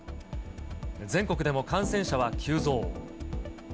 全国でも感染者は急増。